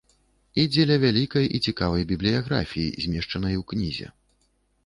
І дзеля вялікай і цікавай бібліяграфіі, змешчанай у кнізе.